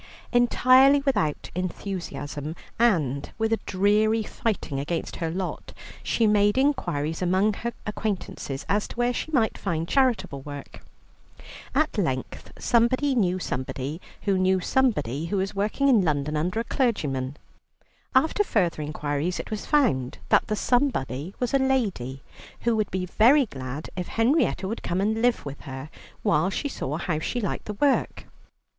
Entirely without enthusiasm, and with a dreary fighting against her lot, she made inquiries among her acquaintances as to where she might find charitable work. At length somebody knew somebody, who knew somebody who was working in London under a clergyman. After further inquiries it was found that the somebody was a lady, who would be very glad if Henrietta would come and live with her, while she saw how she liked the work.